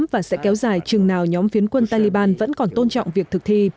và sẽ kéo dài chừng nào nhóm phiến quân taliban vẫn còn tôn trọng việc thực thi